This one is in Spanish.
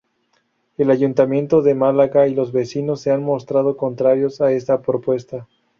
El Ayuntamiento de Málaga y los vecinos se han mostrado contrarios a esta propuesta.